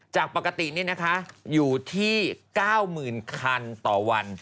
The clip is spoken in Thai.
จากปกติอยู่ที่๙๐๐๐คันต่อวัน